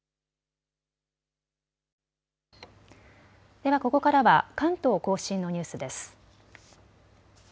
ではここからは関東甲信のニュースです。